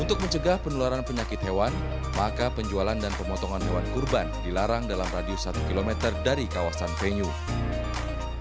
untuk mencegah penularan penyakit hewan maka penjualan dan pemotongan hewan kurban dilarang dalam radius satu km dari kawasan venue